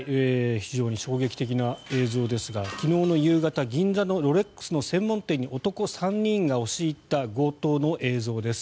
非常に衝撃的な映像ですが昨日の夕方銀座のロレックス専門店に男３人が押し入った強盗の映像です。